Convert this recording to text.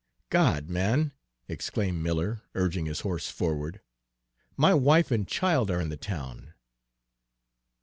"God, man!" exclaimed Miller, urging his horse forward, "my wife and child are in the town!"